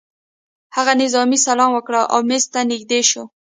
هغه نظامي سلام وکړ او مېز ته نږدې شو